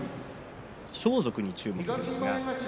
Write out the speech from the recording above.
装束に注目です。